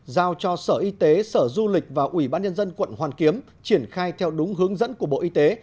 giao cho sở y tế sở du lịch và ủy ban nhân dân quận hoàn kiếm triển khai theo đúng hướng dẫn của bộ y tế